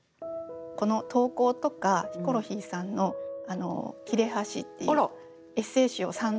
この投稿とかヒコロヒーさんの「きれはし」っていうエッセー集を３度ほど。